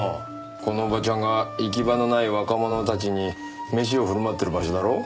このおばちゃんが行き場のない若者たちにメシを振る舞ってる場所だろ？